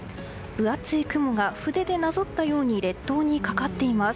分厚い雲が筆でなぞったように列島にかかっています。